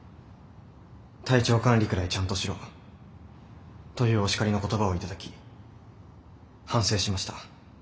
「体調管理くらいちゃんとしろ」というお叱りの言葉を頂き反省しました。